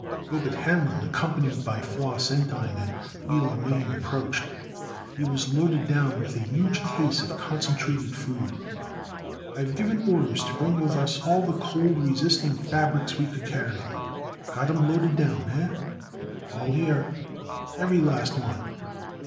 Gobet Hanlon, accompanied by Flos Entine and Mila Mane, approached. He was loaded down with a huge case of concentrated food. "I've given orders to bring with us all the cold resisting fabrics we could carry. Got 'em loaded down, eh?" "All here?" "Every last one."